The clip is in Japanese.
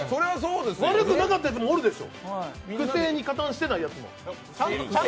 悪くなかったやつもおるでしょ。